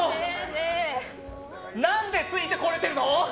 何でついてこれてるの？